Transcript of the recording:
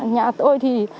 nhà tôi thì